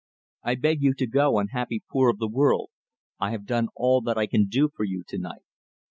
"I beg you to go, unhappy poor of the world! I have done all that I can do for you tonight."